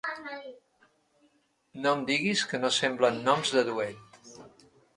No em diguis que no semblen noms de duet!